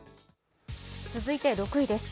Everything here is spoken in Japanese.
続いて６位です。